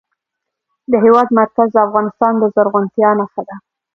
د هېواد مرکز د افغانستان د زرغونتیا نښه ده.